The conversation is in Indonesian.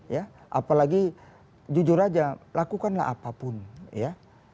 ya apalagi jujur aja lakukanlah apapun ya